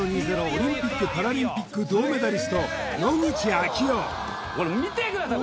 オリンピック・パラリンピック銅メダリスト野口啓代見てください